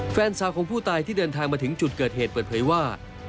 แฟนสาวของผู้ตายที่เดินทางมาถึงจุดเกิดเหตุเปิดเผยว่า